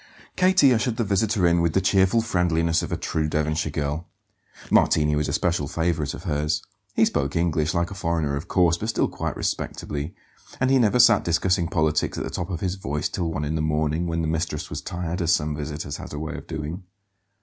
Katie ushered the visitor in with the cheerful friendliness of a true Devonshire girl. Martini was a special favourite of hers. He spoke English, like a foreigner, of course, but still quite respectably; and he never sat discussing politics at the top of his voice till one in the morning, when the mistress was tired, as some visitors had a way of doing.